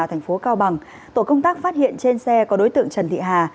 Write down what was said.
thành phố cao bằng tổ công tác phát hiện trên xe có đối tượng trần thị hà